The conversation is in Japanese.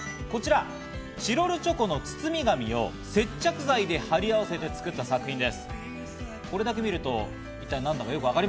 こちら、チロルチョコの包み紙を接着剤で貼り合わせて作った作品です。